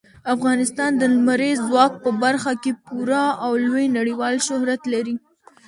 افغانستان د لمریز ځواک په برخه کې پوره او لوی نړیوال شهرت لري.